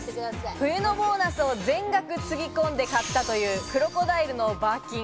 冬のボーナスを全額つぎ込んで買ったという、クロコダイルのバーキン。